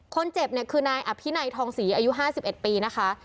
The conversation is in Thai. คนเจ็บเนี่ยคือนายอภินัยทองศรีอายุ๕๑ปีนะคะ